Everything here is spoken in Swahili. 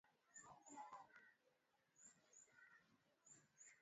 Kuharibika kwa mimba kunaweza kutokea ngombe akiwa na ugonjwa wa miguu na midomo